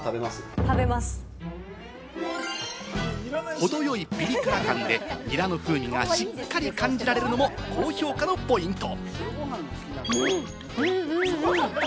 程よいピリ辛でニラの風味がしっかり感じられるのも高評価のポイント。